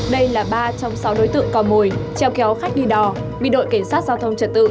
đây là ba trong sáu đối tượng cò mồi treo kéo khách đi đò bị đội cảnh sát giao thông trật tự